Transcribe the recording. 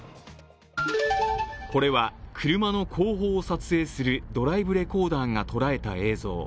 これは車の後方を撮影するドライブレコーダーが捉えた映像。